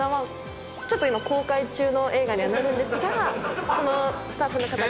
今公開中の映画にはなるんですがそのスタッフの方から。